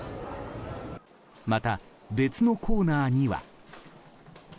また、別のコーナーには。